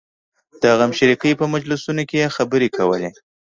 د غمشریکۍ په مجلسونو کې یې خبرې کولې.